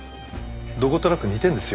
どことなく似てるんですよ